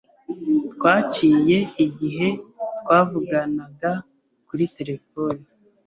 Twaciwe igihe twavuganaga kuri terefone.